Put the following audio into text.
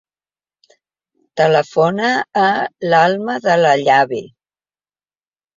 Telefona a l'Alma De La Llave.